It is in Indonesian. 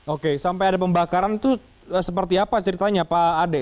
oke sampai ada pembakaran itu seperti apa ceritanya pak ade